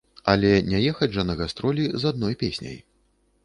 Але не ехаць жа на гастролі з адной песняй.